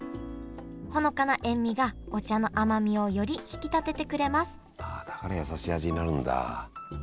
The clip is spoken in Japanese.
ほのかな塩みがお茶の甘みをより引き立ててくれますだからやさしい味になるんだ。